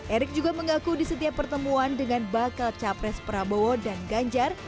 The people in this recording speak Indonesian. erick juga mengaku di setiap pertemuan dengan bakal capres prabowo dan ganjar